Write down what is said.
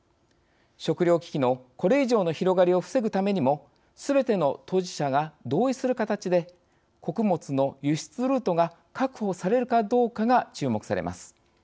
食糧危機のこれ以上の広がりを防ぐためにもすべての当事者が同意する形で穀物の輸出ルートが確保されるかどうかが注目されます。